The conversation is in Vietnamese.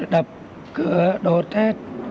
đập cửa đốt hết